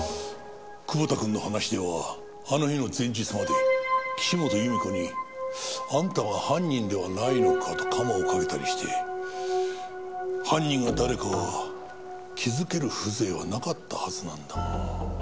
久保田くんの話ではあの日の前日まで岸本由美子にあんたは犯人ではないのかとカマをかけたりして犯人が誰かは気づける風情はなかったはずなんだが。